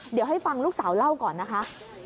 เดี๋ยวให้ฟังลูกสาวเล่าก่อนนะคะ